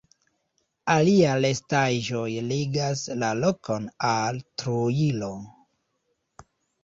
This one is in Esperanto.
Alia restaĵoj ligas la lokon al Trujillo.